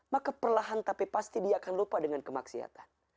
maka perlahan tapi pasti dia akan lupa dengan kemaksiatan